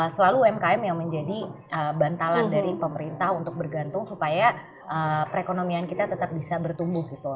selalu umkm yang menjadi bantalan dari pemerintah untuk bergantung supaya perekonomian kita tetap bisa bertumbuh gitu